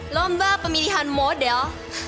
lomba pemilihan model